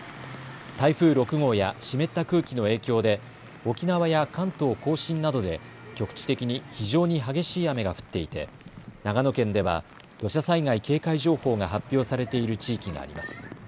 台風６号や湿った空気の影響で沖縄や関東甲信などで局地的に非常に激しい雨が降っていて長野県では土砂災害警戒情報が発表されている地域があります。